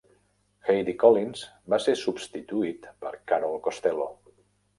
Heidi Collins va ser substituït per Carol Costello.